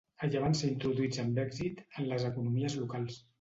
Allà van ser introduïts amb èxit en les economies locals.